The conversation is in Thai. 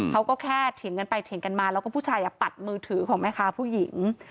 เขาก็แค่เถียงกันไปเถียงกันมาแล้วก็ผู้ชายปัดมือถือของแม่ค้าผู้หญิง